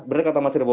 berarti kata mas rewo